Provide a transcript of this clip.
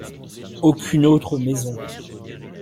Aucune autre maison.